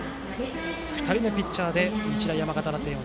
２人のピッチャーで日大山形打線を